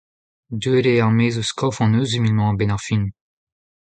Deuet on er-maez eus kof an euzhvil-mañ a-benn ar fin !